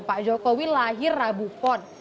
pak jokowi lahir rabu pon